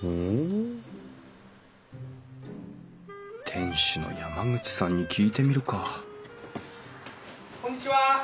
店主の山口さんに聞いてみるか・こんにちは！